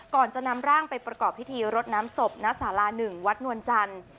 ก่อนจะนำร่างไปประกอบพิธีรดน้ำศพณสารา๑วัดนวลจันทร์